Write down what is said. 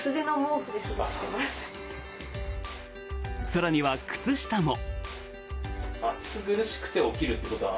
更には靴下も。